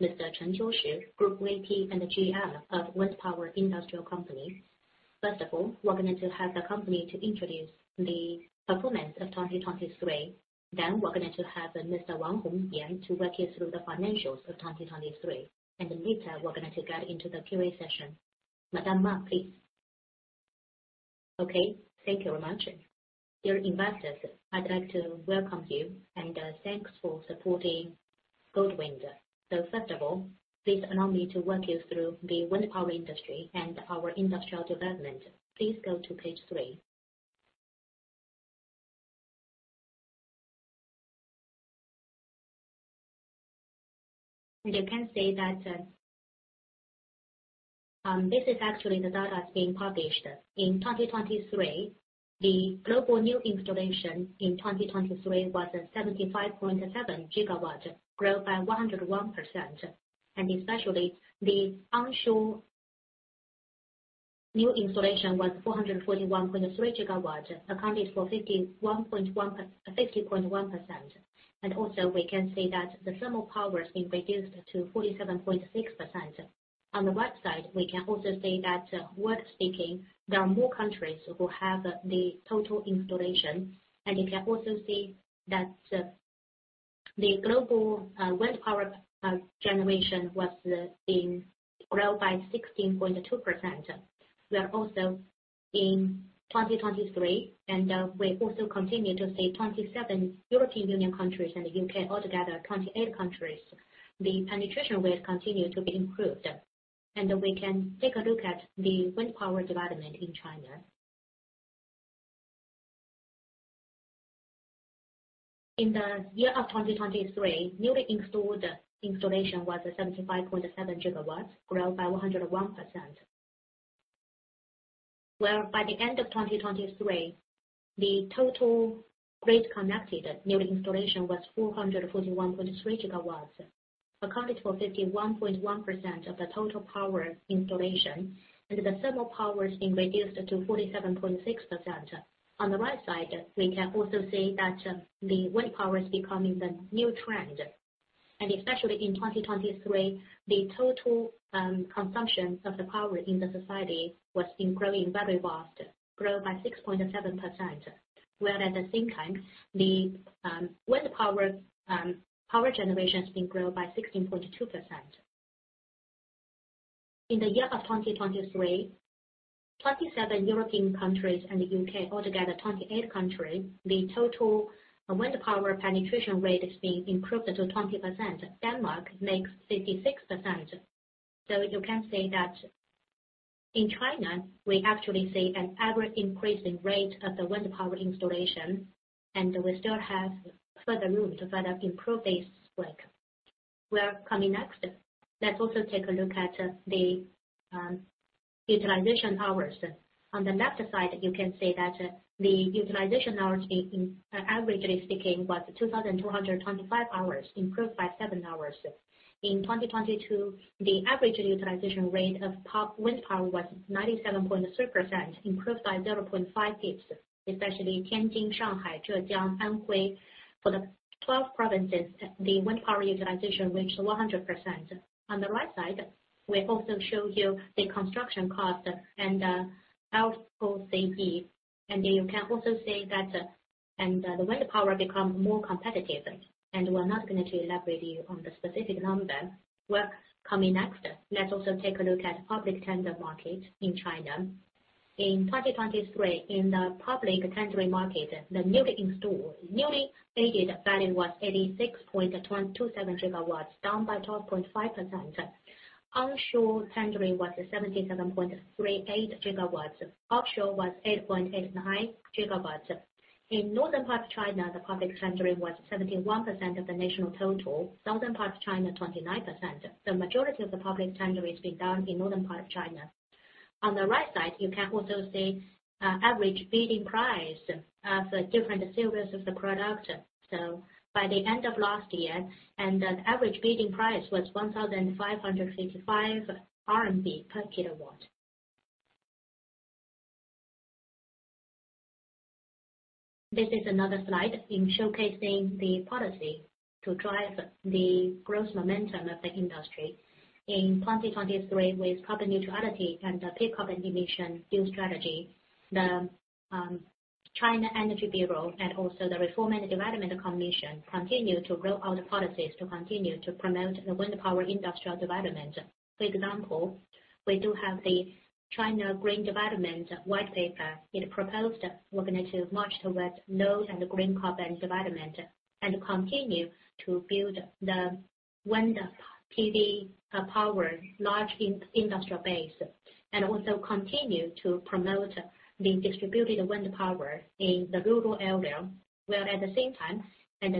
Mr. Chen Qiuhua, Group VP and the GM of Wind Power Industrial Company. First of all, we're going to have the company to introduce the performance of 2023. Then we're going to have Mr. Wang Hongyan to walk you through the financials of 2023, and then later we're going to get into the Q&A session. Madam Ma, please. Okay, thank you very much. Dear investors, I'd like to welcome you, and, thanks for supporting Goldwind. So first of all, please allow me to walk you through the wind power industry and our industrial development. Please go to page three. You can see that, this is actually the data being published. In 2023, the global new installation in 2023 was 75.7 GW, grew by 101%. And especially the onshore new installation was 441.3 GW, accounted for 50.1%. And also, we can see that the thermal power has been reduced to 47.6%. On the right side, we can also see that, world speaking, there are more countries who have the total installation, and you can also see that, the global wind power generation was being grown by 16.2%. We are also in 2023, and we also continue to see 27 European Union countries and the UK, altogether 28 countries. The penetration rate continue to be improved, and we can take a look at the wind power development in China. In the year of 2023, newly installed installation was 75.7 GW, grew by 101%, whereby the end of 2023, the total grid-connected new installation was 441.3 GW, accounted for 51.1% of the total power installation, and the thermal power has been reduced to 47.6%. On the right side, we can also see that, the wind power is becoming the new trend. Especially in 2023, the total consumption of the power in the society was increasing very fast, grew by 6.7%. Where at the same time, the wind power power generation has been grown by 16.2%. In the year of 2023, 27 European countries and the UK, altogether 28 countries, the total wind power penetration rate is being improved to 20%. Denmark makes 56%. So you can see that in China, we actually see an average increasing rate of the wind power installation, and we still have further room to further improve this rate. Well, coming next, let's also take a look at the utilization hours. On the left side, you can see that the utilization hours, averagely speaking, was 2,225 hours, improved by 7 hours. In 2022, the average utilization rate of wind power was 97.3%, improved by 0.5 percentage points, especially Tianjin, Shanghai, Zhejiang, Anhui. For the 12 provinces, the wind power utilization reached 100%. On the right side, we also show you the construction cost and health safety. And you can also see that the wind power become more competitive, and we're not going to elaborate you on the specific number. Well, coming next, let's also take a look at public tender market in China. In 2023, in the public tendering market, the newly installed, newly added value was 86.27 GW, down by 12.5%. Onshore tendering was 77.38 GW, offshore was 8.89 GW. In northern part of China, the public tendering was 71% of the national total, southern part of China, 29%. The majority of the public tendering has been done in northern part of China. On the right side, you can also see average bidding price of the different series of the product. So by the end of last year, and the average bidding price was 1,555 RMB per kilowatt. This is another slide in showcasing the policy to drive the growth momentum of the industry. In 2023, with carbon neutrality and the peak carbon emission new strategy, the China Energy Bureau and also the Reform and Development Commission continued to roll out policies to continue to promote the wind power industrial development. For example, we do have the China Green Development White Paper. It proposed we're going to march towards low and green carbon development, and continue to build the wind PV power large industrial base, and also continue to promote the distributed wind power in the rural area. At the same time,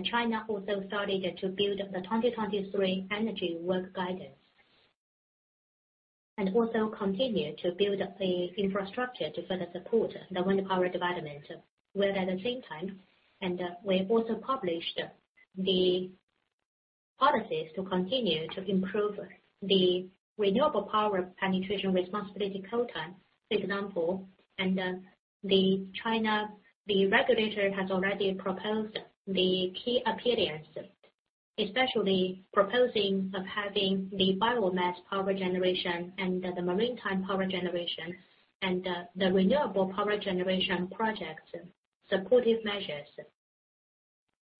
China also started to build the 2023 energy work guidance and also continue to build the infrastructure to further support the wind power development. At the same time, we've also published the policies to continue to improve the renewable power penetration responsibility quota. For example, the China, the regulator has already proposed the key areas, especially proposing of having the biomass power generation and the maritime power generation, and the renewable power generation projects supportive measures,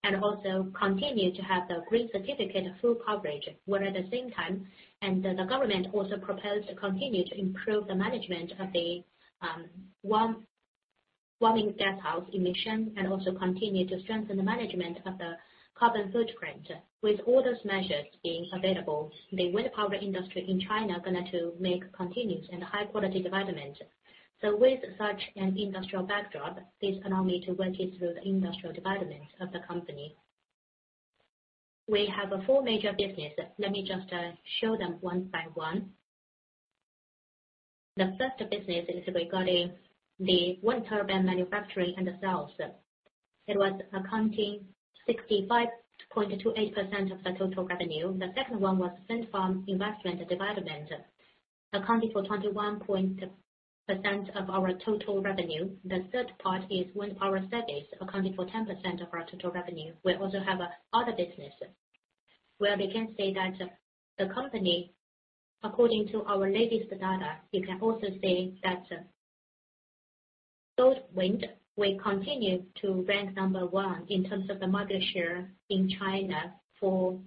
and also continue to have the green certificate full coverage. At the same time, the government also proposed to continue to improve the management of the global warming greenhouse emissions, and also continue to strengthen the management of the carbon footprint. With all those measures being available, the wind power industry in China going to make continuous and high quality development. So with such an industrial backdrop, please allow me to walk you through the industrial development of the company. We have four major business. Let me just, show them one by one. The first business is regarding the wind turbine manufacturing and the sales. It was accounting 65.28% of the total revenue. The second one was wind farm investment development, accounting for 21% of our total revenue. The third part is wind power service, accounting for 10% of our total revenue. We also have other business, where we can say that the company, according to our latest data, you can also see that Goldwind will continue to rank number 1 in terms of the market share in China for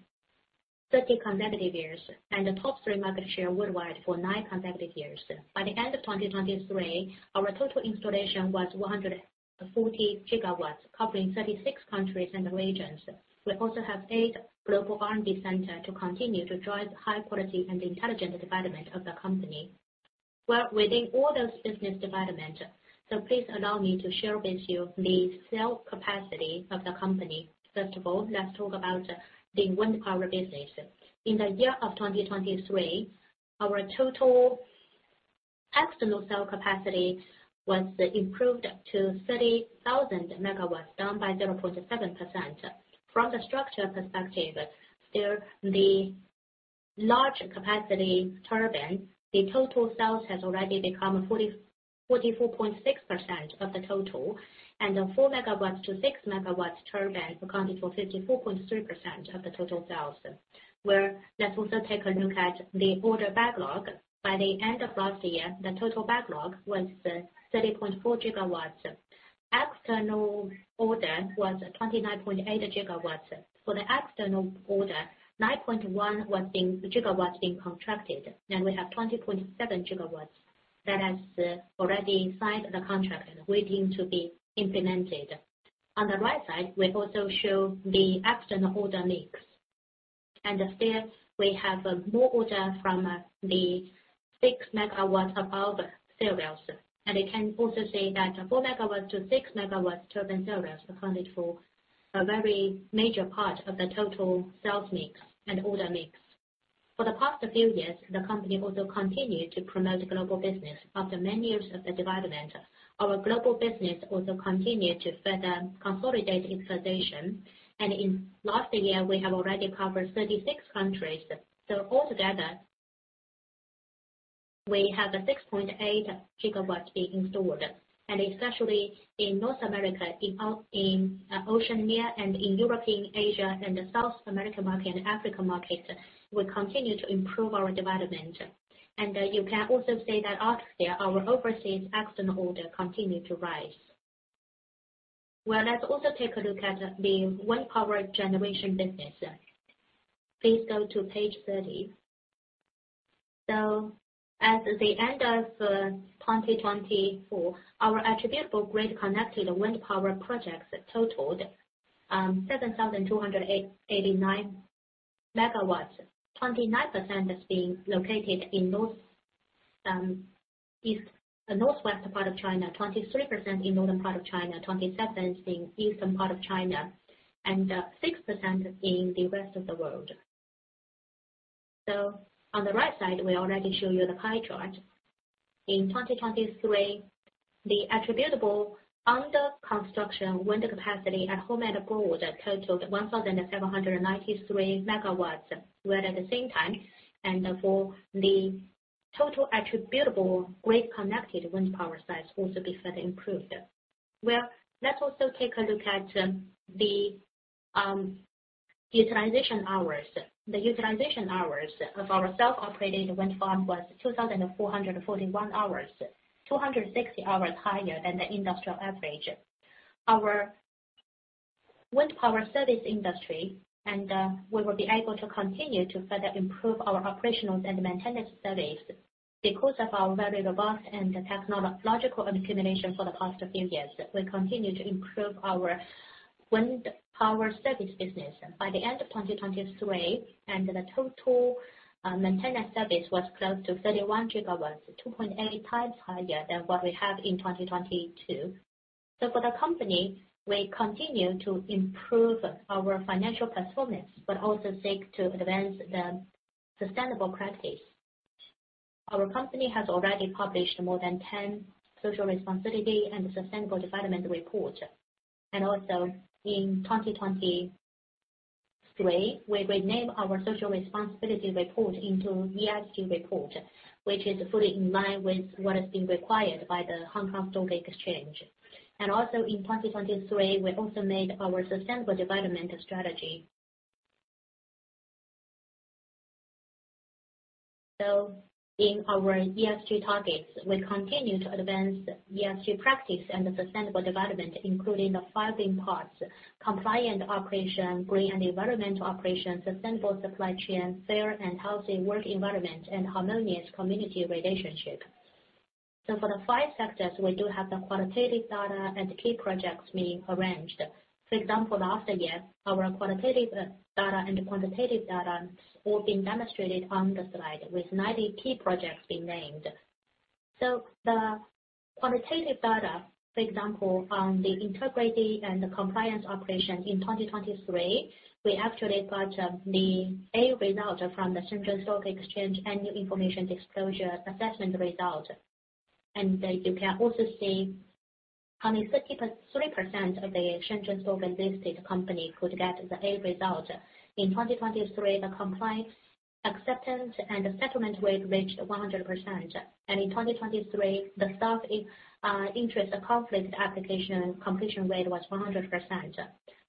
30 consecutive years, and the top 3 market share worldwide for 9 consecutive years. By the end of 2023, our total installation was 140 GWs, covering 36 countries and regions. We also have 8 global R&D centers to continue to drive high quality and intelligent development of the company. Well, within all those business development, so please allow me to share with you the sales capacity of the company. First of all, let's talk about the wind power business. In the year of 2023, our total external sales capacity was improved to 30,000 MWs, down by 0.7%. From the structure perspective, the large capacity turbine, the total sales has already become 44.6% of the total, and the 4-MW to 6-MW turbine accounted for 54.3% of the total sales. Well, let's also take a look at the order backlog. By the end of last year, the total backlog was 30.4 GW. External order was 29.8 GW. For the external order, 9.1 GW being contracted, and we have 20.7 GW that has already signed the contract waiting to be implemented. On the right side, we also show the external order mix, and still we have more order from the 6-MW above sales. And you can also see that 4-MW to 6-MW turbine sales accounted for a very major part of the total sales mix and order mix. For the past few years, the company also continued to promote global business. After many years of the development, our global business also continued to further consolidate its position, and in last year, we have already covered 36 countries. So altogether, we have a 6.8 GW being installed, and especially in North America, in Oceania and in Europe, Asia, and the South American market and African markets, we continue to improve our development. And you can also see that out there, our overseas external order continued to rise. Well, let's also take a look at the wind power generation business. Please go to page 30. So at the end of 2024, our attributable grid-connected wind power projects totaled 7,289 MW. 29% is being located in north east the northwest part of China, 23% in northern part of China, 27% in eastern part of China, and 6% in the rest of the world. So on the right side, we already show you the pie chart. In 2023, the attributable under construction wind capacity at home and abroad totaled 1,793 MW, where at the same time, and for the total attributable grid-connected wind power sites also be further improved. Well, let's also take a look at the utilization hours. The utilization hours of our self-operated wind farm was 2,441 hours, 260 hours higher than the industrial average. Our wind power service industry, we will be able to continue to further improve our operational and maintenance service. Because of our very robust and technological accumulation for the past few years, we continue to improve our wind power service business. By the end of 2023, and the total, maintenance service was close to 31 GWs, 2.8x higher than what we had in 2022. So for the company, we continue to improve our financial performance, but also seek to advance the sustainable practice. Our company has already published more than 10 social responsibility and sustainable development report. And also in 2023, we renamed our social responsibility report into ESG report, which is fully in line with what is being required by the Hong Kong Stock Exchange. And also in 2023, we also made our sustainable development strategy.... in our ESG targets, we continue to advance ESG practice and the sustainable development, including the five parts: compliant operation, green and environmental operation, sustainable supply chain, fair and healthy work environment, and harmonious community relationship. So for the five sectors, we do have the qualitative data and key projects being arranged. For example, last year, our qualitative data and the quantitative data all been demonstrated on the slide, with 90 key projects being named. So the qualitative data, for example, on the integrity and the compliance operation in 2023, we actually got the A result from the Shenzhen Stock Exchange annual information disclosure assessment result. You can also see only 30% of the Shenzhen Stock Exchange-listed companies could get the A result. In 2023, the compliance acceptance and settlement rate reached 100%, and in 2023, the self interest conflict application completion rate was 100%.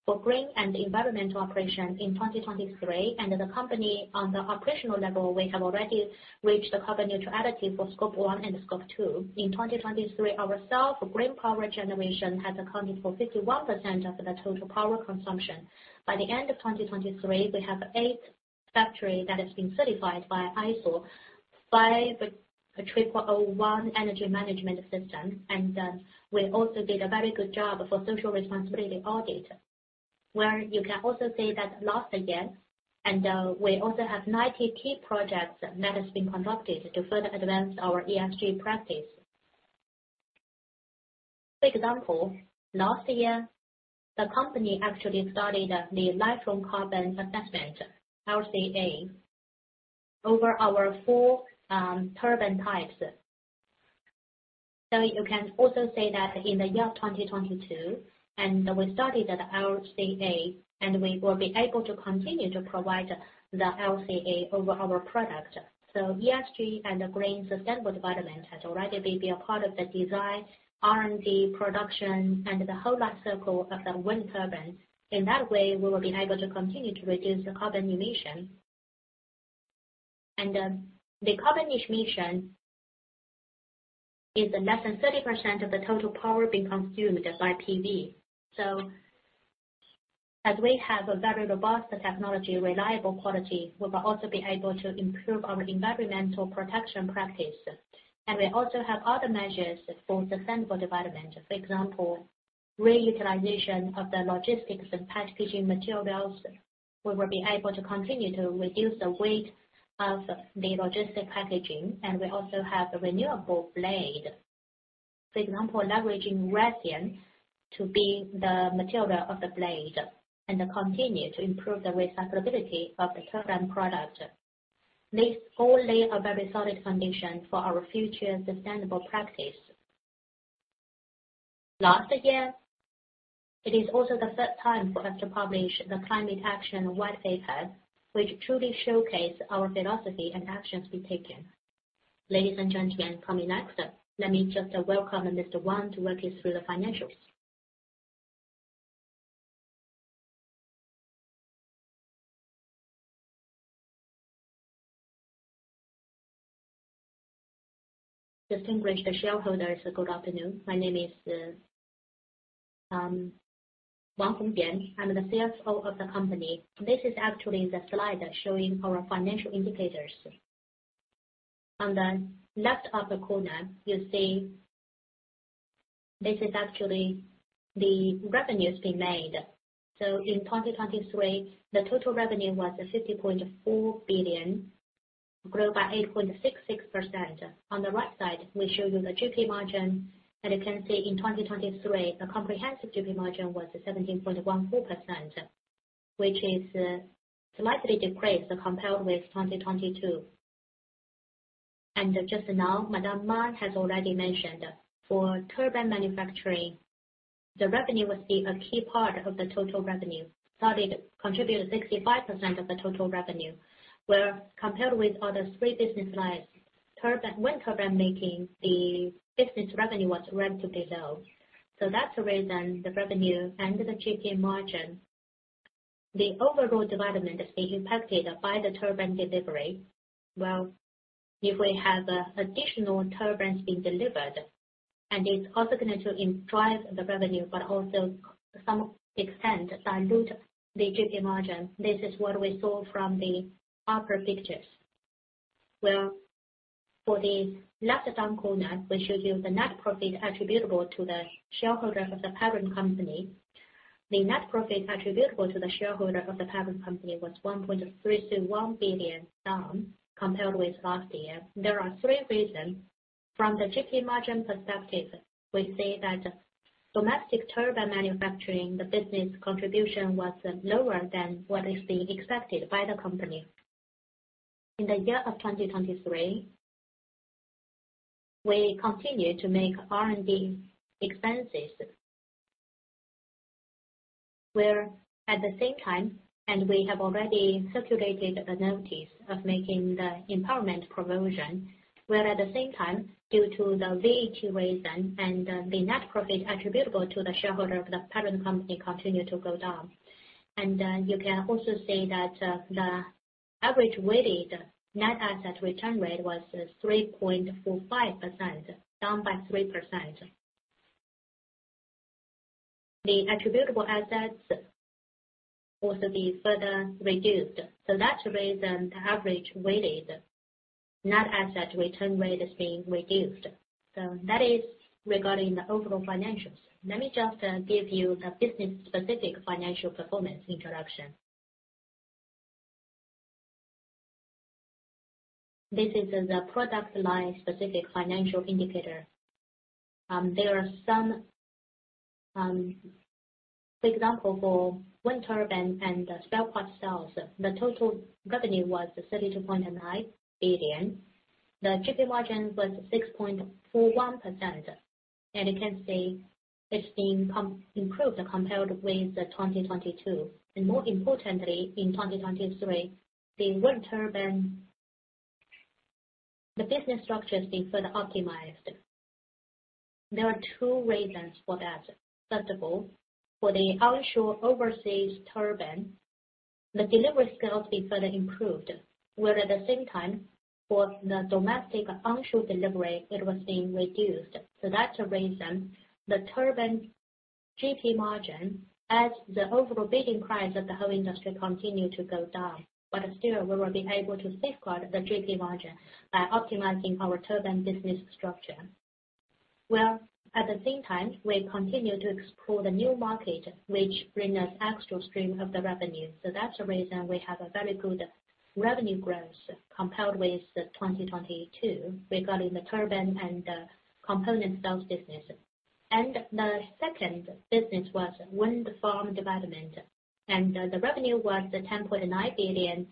For green and environmental operation in 2023, and the company on the operational level, we have already reached the carbon neutrality for Scope 1 and Scope 2. In 2023, our self green power generation has accounted for 51% of the total power consumption. By the end of 2023, we have eight factories that have been certified by ISO 50001, five with a 50001 energy management system. We also did a very good job for social responsibility audit, where you can also see that last year, and we also have 90 key projects that has been conducted to further advance our ESG practice. For example, last year, the company actually started the life cycle assessment, LCA, over our four turbine types. So you can also say that in the year of 2022, and we started the LCA, and we will be able to continue to provide the LCA over our product. So ESG and the green sustainable development has already been a part of the design, R&D, production, and the whole life cycle of the wind turbine. In that way, we will be able to continue to reduce the carbon emission. And the carbon emission is less than 30% of the total power being consumed by PV. So as we have a very robust technology, reliable quality, we will also be able to improve our environmental protection practice. We also have other measures for sustainable development. For example, reutilization of the logistics and packaging materials. We will be able to continue to reduce the weight of the logistic packaging, and we also have a renewable blade. For example, leveraging resin to be the material of the blade and continue to improve the recyclability of the turbine product. This all lay a very solid foundation for our future sustainable practice. Last year, it is also the third time for us to publish the Climate Action White Paper, which truly showcase our philosophy and actions we've taken. Ladies and gentlemen, coming next, let me just welcome Mr. Wang to walk you through the financials. Distinguished shareholders, good afternoon. My name is Wang Hongyan. I'm the CFO of the company. This is actually the slide that's showing our financial indicators. On the left upper corner, you see this is actually the revenues being made. So in 2023, the total revenue was 50.4 billion, grew by 8.66%. On the right side, we show you the GP margin, and you can see in 2023, the comprehensive GP margin was 17.14%, which is slightly decreased compared with 2022. And just now, Madam Ma has already mentioned, for turbine manufacturing, the revenue will be a key part of the total revenue. So it contributed 65% of the total revenue, where compared with other three business lines, turbine, wind turbine making, the business revenue was relatively low. So that's the reason the revenue and the GP margin, the overall development is being impacted by the turbine delivery. Well, if we have additional turbines being delivered, and it's also going to and drive the revenue, but also to some extent, dilute the GP margin. This is what we saw from the upper pictures. Well, for the left down corner, we show you the net profit attributable to the shareholders of the parent company. The net profit attributable to the shareholder of the parent company was 1.321 billion down compared with last year. There are three reasons. From the GP margin perspective, we see that domestic turbine manufacturing, the business contribution was lower than what is being expected by the company. In the year 2023, we continued to make R&D expenses, where at the same time, and we have already circulated a notice of making the impairment provision, where at the same time, due to the VAT reason and, the net profit attributable to the shareholder of the parent company continued to go down. And, you can also see that, the average weighted net asset return rate was 3.45%, down by 3%. The attributable assets will also be further reduced. So that's the reason the average weighted net asset return rate is being reduced. So that is regarding the overall financials. Let me just, give you the business-specific financial performance introduction. This is the product line specific financial indicator. There are some, for example, for wind turbine and spare parts sales, the total revenue was 32.9 billion. The GP margin was 6.41%, and you can see it's being improved compared with the 2022. And more importantly, in 2023, the wind turbine, the business structure is being further optimized. There are two reasons for that. First of all, for the onshore overseas turbine, the delivery skills be further improved, where at the same time, for the domestic onshore delivery, it was being reduced. So that's the reason the turbine GP margin, as the overall bidding price of the whole industry continued to go down. But still, we will be able to safeguard the GP margin by optimizing our turbine business structure. Well, at the same time, we continue to explore the new market, which bring us extra stream of the revenue. So that's the reason we have a very good revenue growth compared with the 2022 regarding the turbine and the component sales business. And the second business was wind farm development, and, the revenue was the 10.9 billion,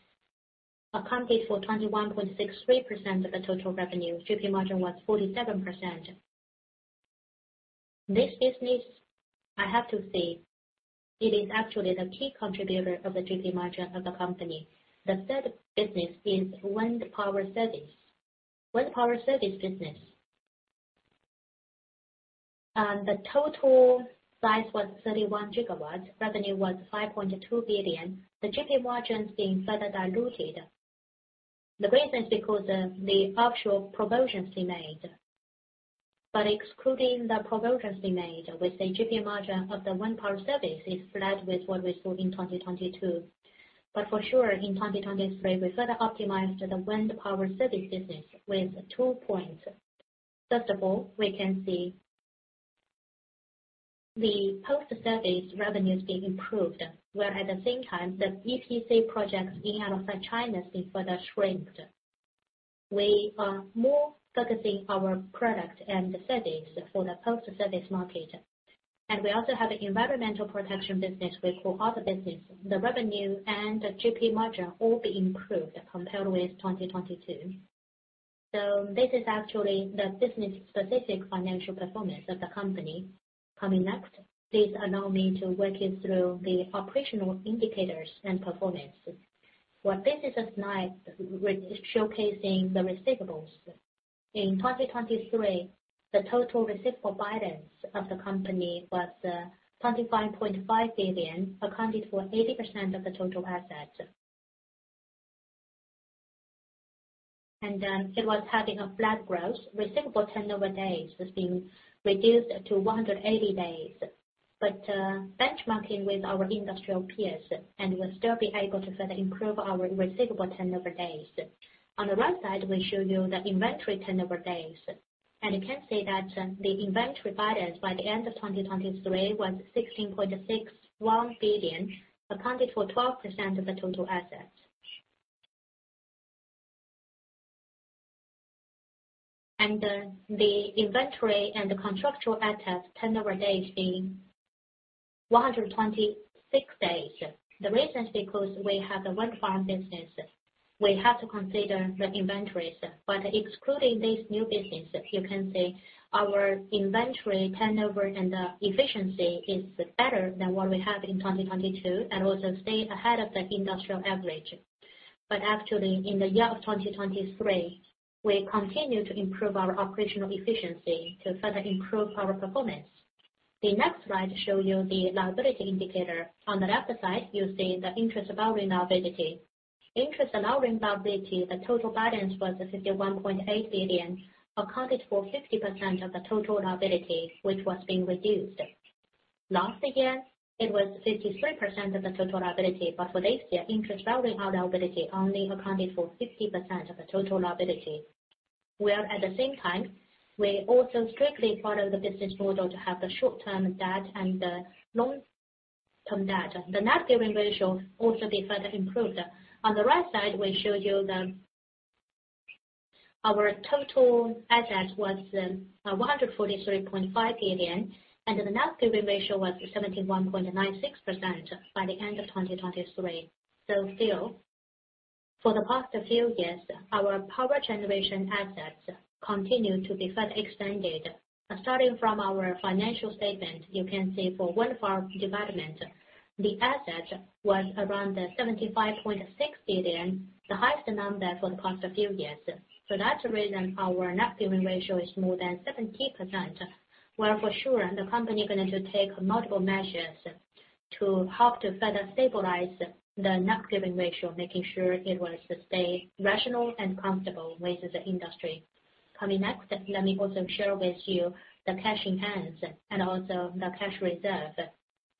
accounted for 21.63% of the total revenue. GP margin was 47%. This business, I have to say, it is actually the key contributor of the GP margin of the company. The third business is wind power service. Wind power service business, the total size was 31 GW. Revenue was 5.2 billion. The GP margin is being further diluted. The reason is because of the actual promotions we made. But excluding the promotions we made, we say GP margin of the wind power service is flat with what we saw in 2022. But for sure, in 2023, we further optimized the wind power service business with two points. First of all, we can see the post-service revenues being improved, where at the same time, the EPC projects being out of China being further shrunk. We are more focusing our product and the service for the post-service market. And we also have an environmental protection business with all other business. The revenue and the GP margin all be improved compared with 2022. So this is actually the business-specific financial performance of the company. Coming next, please allow me to walk you through the operational indicators and performance. This is a slide re-showcasing the receivables. In 2023, the total receivable balance of the company was 25.5 billion, accounted for 80% of the total assets. It was having a flat growth. Receivable turnover days has been reduced to 180 days. But benchmarking with our industrial peers, and we'll still be able to further improve our receivable turnover days. On the right side, we show you the inventory turnover days, and you can see that the inventory balance by the end of 2023 was 16.61 billion, accounted for 12% of the total assets. And the inventory and the contractual assets turnover days being 126 days. The reason is because we have the wind farm business, we have to consider the inventories. But excluding this new business, you can see our inventory turnover and efficiency is better than what we had in 2022, and also stay ahead of the industrial average. But actually, in the year of 2023, we continued to improve our operational efficiency to further improve our performance. The next slide show you the liability indicator. On the left side, you see the interest-bearing liability. Interest-bearing liability, the total balance was 51.8 billion, accounted for 50% of the total liability, which was being reduced. Last year, it was 53% of the total liability, but for this year, interest-bearing liability only accounted for 50% of the total liability. Where at the same time, we also strictly follow the business model to have the short-term debt and the long-term debt. The net gearing ratio also be further improved. On the right side, we show you our total assets was 143.5 billion, and the net gearing ratio was 71.96% by the end of 2023. So still, for the past few years, our power generation assets continued to be further extended. Starting from our financial statement, you can see for wind farm development, the asset was around 75.6 billion, the highest number for the past few years. So that's the reason our net gearing ratio is more than 70%, where for sure, the company going to take multiple measures to help to further stabilize the net gearing ratio, making sure it will stay rational and comfortable with the industry. Coming next, let me also share with you the cash in hands and also the cash reserve.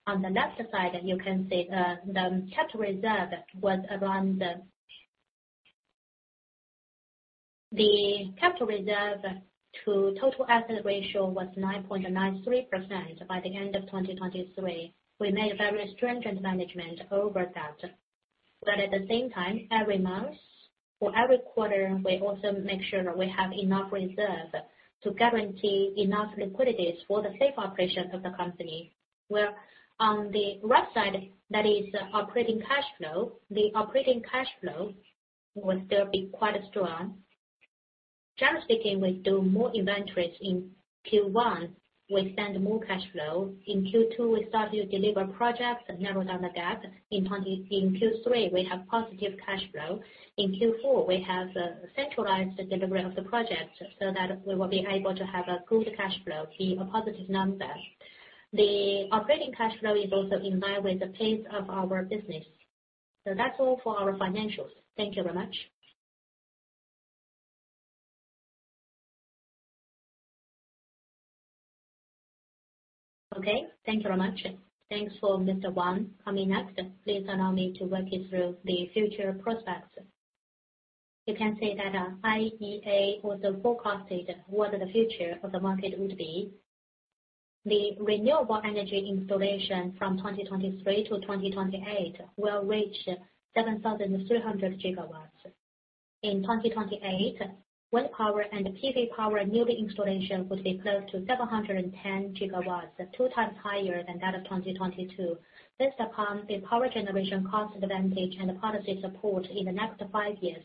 On the left side, you can see the capital reserve was around. The capital reserve to total asset ratio was 9.93% by the end of 2023. We made very stringent management over that, but at the same time, every month or every quarter, we also make sure that we have enough reserve to guarantee enough liquidities for the safe operation of the company. On the right side, that is operating cash flow. The operating cash flow will still be quite strong. Generally speaking, we do more inventories in Q1. We spend more cash flow. In Q2, we start to deliver projects and narrow down the gap. In Q3, we have positive cash flow. In Q4, we have centralized the delivery of the project so that we will be able to have a good cash flow, be a positive number. The operating cash flow is also in line with the pace of our business. That's all for our financials. Thank you very much. Okay, thank you very much. Thanks for Mr. Wang. Coming next, please allow me to walk you through the future prospects. You can see that, IEA also forecasted what the future of the market would be. The renewable energy installation from 2023 to 2028 will reach 7,300 GW. In 2028, wind power and PV power newly installation would be close to 710 GW, 2 times higher than that of 2022. Based upon the power generation cost advantage and the policy support in the next five years,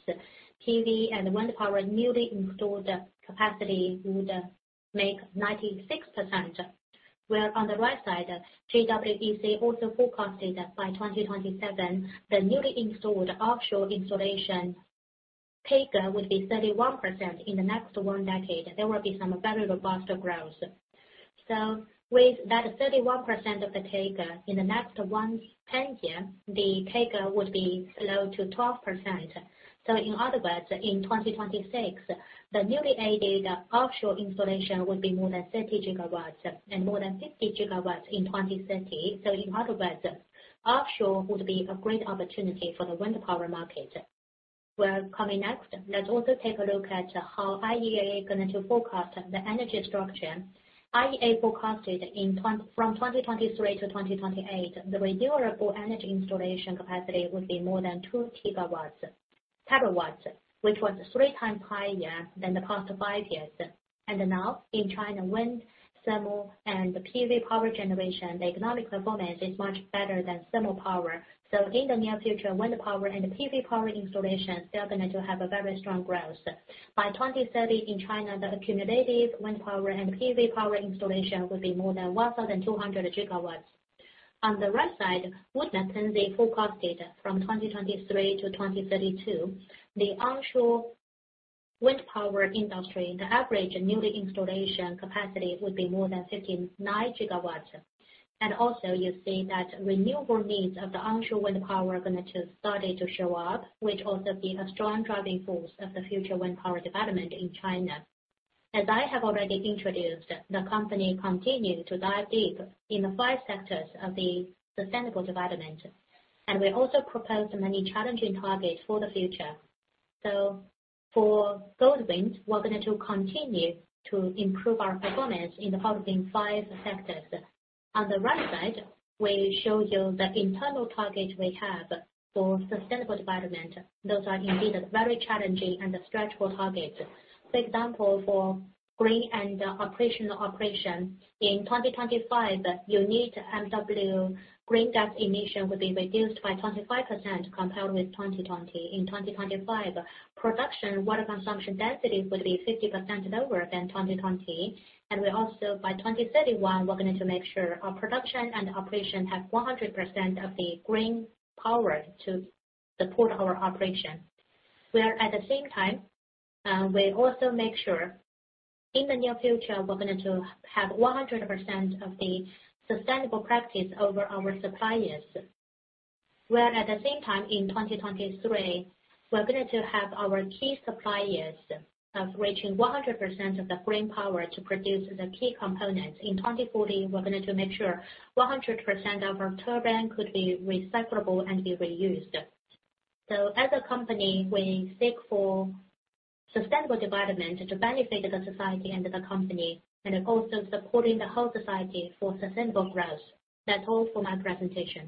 PV and wind power newly installed capacity would make 96%. Where on the right side, GWEC also forecasted by 2027, the newly installed offshore installation CAGR would be 31%. In the next one decade, there will be some very robust growth. So with that 31% of the CAGR, in the next 10-year, the CAGR would be slow to 12%. So in other words, in 2026, the newly added offshore installation would be more than 30 GWs and more than 50 GWs in 2030. So in other words, offshore would be a great opportunity for the wind power market. Well, coming next, let's also take a look at how IEA going to forecast the energy structure. IEA forecasted from 2023 to 2028, the renewable energy installation capacity would be more than 2 terawatts, which was three times higher than the past five years. Now, in China, wind, thermal, and PV power generation, the economic performance is much better than thermal power. So in the near future, wind power and PV power installation still going to have a very strong growth. By 2030 in China, the accumulative wind power and PV power installation will be more than 1,200 GW. On the right side, Wood Mackenzie and the forecast data from 2023 to 2032, the onshore wind power industry, the average newly installation capacity would be more than 59 GW. Also, you see that renewable needs of the onshore wind power going to start to show up, which also be a strong driving force of the future wind power development in China. As I have already introduced, the company continued to dive deep in the five sectors of the sustainable development, and we also proposed many challenging targets for the future. So for Goldwind, we're going to continue to improve our performance in the following five sectors. On the right side, we show you the internal target we have for sustainable development. Those are indeed very challenging and stretchable targets. For example, for green and operational operation, in 2025, unit MW greenhouse emission will be reduced by 25% compared with 2020. In 2025, production water consumption density will be 50% lower than 2020, and we also, by 2031, we're going to make sure our production and operation have 100% of the green power to support our operation, where at the same time, we also make sure in the near future, we're going to have 100% of the sustainable practice over our suppliers. Where at the same time, in 2023, we're going to have our key suppliers of reaching 100% of the green power to produce the key components. In 2040, we're going to make sure 100% of our turbine could be recyclable and be reused. So as a company, we seek for sustainable development to benefit the society and the company, and also supporting the whole society for sustainable growth. That's all for my presentation.